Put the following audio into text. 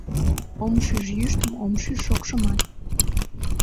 Ом шиж йӱштым, ом шиж шокшымат.